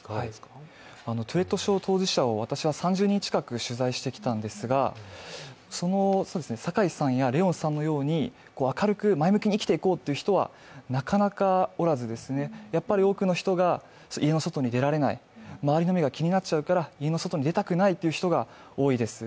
トゥレット症当事者を私は３０人近く取材してきたんですが、酒井さんや怜音さんのように明るく前向きに生きていこうという人はなかなかおらず、やっぱり多くの人が家の外に出られない、周りの目が気になっちゃうから家の外に出たくないという人が多いです。